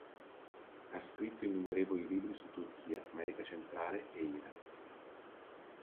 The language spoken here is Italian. Ha scritto innumerevoli libri su Turchia, America centrale e Iran.